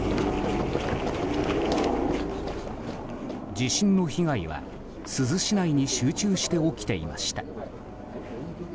地震の被害は、珠洲市内に集中して起きていました。